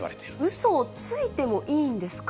うそをついてもいいんですか？